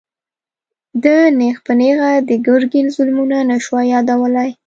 ده نېغ په نېغه د ګرګين ظلمونه نه شوای يادولای.